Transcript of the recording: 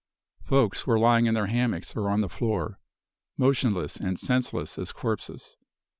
Folks were lying in their hammocks or on the floor, motionless and senseless as corpses.